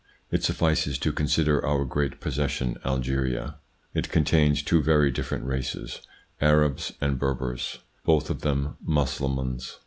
It suffices to consider our great possession, Algeria. It contains two very different races : Arabs and Berbers, both of them Mussulmans.